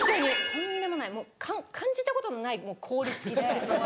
とんでもないもう感じたことのない凍り付きで。